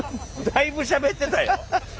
だいぶしゃべってたよ。